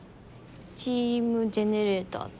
チーム・ジェネレーターズ。